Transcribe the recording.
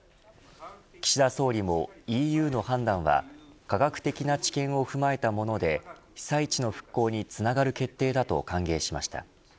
岸田総理大臣もＥＵの判断は科学的な知見を踏まえたもので被災地の復興につながる決定だと歓迎しました。